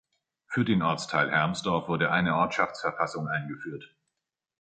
Für den Ortsteil Hermsdorf wurde eine Ortschaftsverfassung eingeführt.